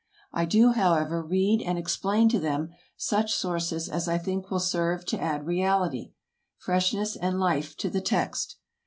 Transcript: I do, however, read and explain to them such sources as I think will serve to add reality, freshness and life to the text.